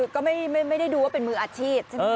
คือแบบก็ไม่ได้ดูว่าเป็นมืออาชีพ